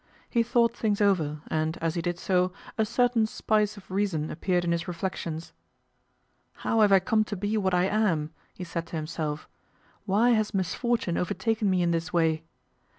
He thought things over, and, as he did so, a certain spice of reason appeared in his reflections. "How have I come to be what I am?" he said to himself. "Why has misfortune overtaken me in this way?